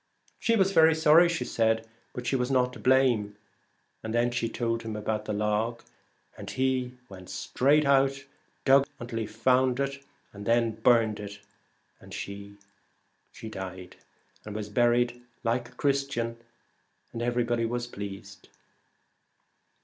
She was very sorry, she said, but she was not to blame, and then she told him about the log, and he went straight out and dug until he found it, and then they burned it, and she died, and was buried like a Christian, and everybody was pleased.